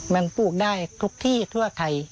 มันปลูกได้ทุกที่ทั่วไทย